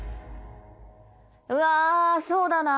うわそうだな。